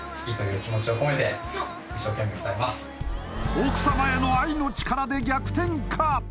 奥様への愛の力で逆転か？